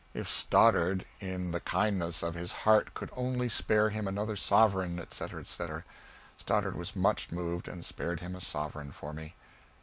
If Stoddard "in the kindness of his heart could only spare him another sovereign," etc., etc. Stoddard was much moved, and spared him a sovereign for me.